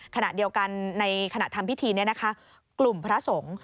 ขณะเดียวกันในขณะทำพิธีนี้นะคะกลุ่มพระสงฆ์